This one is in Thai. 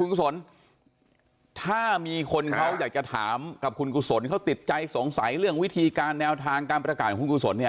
คุณกุศลถ้ามีคนเขาอยากจะถามกับคุณกุศลเขาติดใจสงสัยเรื่องวิธีการแนวทางการประกาศของคุณกุศลเนี่ย